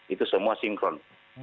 itu semua sinkron